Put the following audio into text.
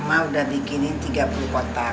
mah udah bikinin tiga puluh kotak